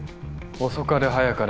遅かれ早かれ